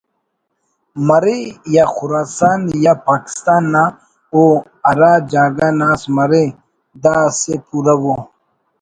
مرے یا خراسان یا پاکستان نا او ہرا جاگہ ناس مرے دا اسہ پورو ءُ